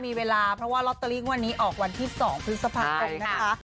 มีเวลาเพราะว่าลอตเตอรี่งวดนี้ออกวันที่๒พฤษภาคมนะคะ